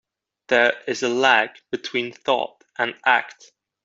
There is a lag between thought and act.